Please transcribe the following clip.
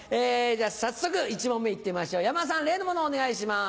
早速１問目行ってみましょう山田さん例の物をお願いします。